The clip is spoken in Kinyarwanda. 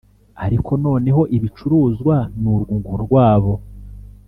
Ariko noneho ibicuruzwa n’urwunguko rwabo,